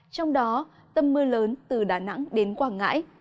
trong đó tâm mưa lớn từ đà nẵng đến quảng ngãi